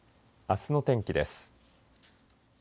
あすの天気です。